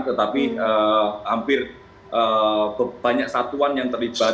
tetapi hampir banyak satuan yang terlibat